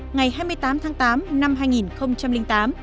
ngày hai mươi tám tháng tám năm hai nghìn tám